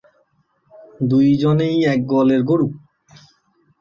দুজনেই এক গোয়ালের গরু।